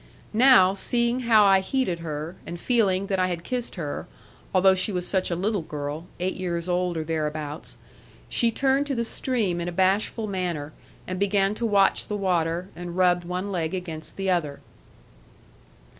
Now, seeing how I heeded her, and feeling that I had kissed her, although she was such a little girl, eight years old or thereabouts, she turned to the stream in a bashful manner, and began to watch the water, and rubbed one leg against the other.